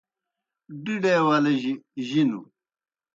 ڈِڈے ولے جِنوْ